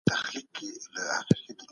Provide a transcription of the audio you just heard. ښځې هم بايد کار وکړي.